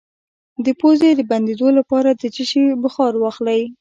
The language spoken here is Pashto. د پوزې د بندیدو لپاره د څه شي بخار واخلئ؟